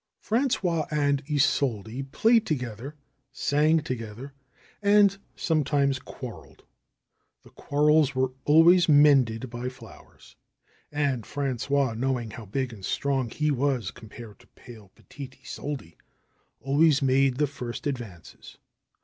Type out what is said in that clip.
Frangois and Isolde played together, sang together and sometimes quarreled. The quarrels were always mended by flowers. And Frangois, knowing how big and strong he was compared to pale, petite Isolde, always made the first advances.